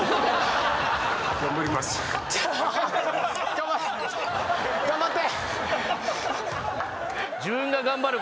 頑張れ！頑張って！